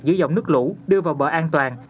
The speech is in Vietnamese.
giữa dòng nước lũ đưa vào bờ an toàn